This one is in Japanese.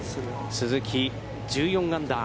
鈴木、１４アンダー。